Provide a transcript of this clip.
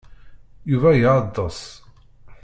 Yuba iɛeḍḍes.